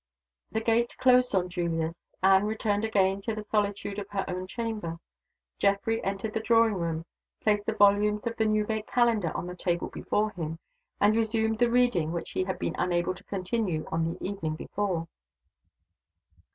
The gate closed on Julius. Anne returned again to the solitude of her own chamber. Geoffrey entered the drawing room, placed the volumes of the Newgate Calendar on the table before him, and resumed the reading which he had been unable to continue on the evening before.